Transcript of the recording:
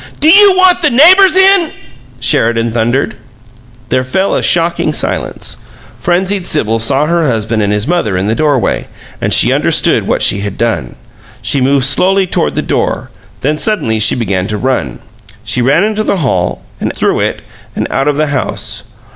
"Do you want the neighbors in?" Sheridan thundered. There fell a shocking silence. Frenzied Sibyl saw her husband and his mother in the doorway, and she understood what she had done. She moved slowly toward the door; then suddenly she began to run. She ran into the hall, and through it, and out of the house.